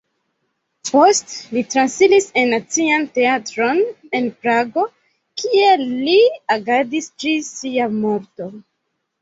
Poste li transiris en Nacian Teatron en Prago, kie li agadis ĝis sia morto.